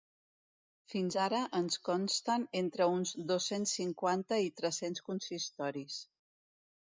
Fins ara ens consten entre uns dos-cents cinquanta i tres-cents consistoris.